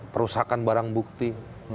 perusakan barang bukti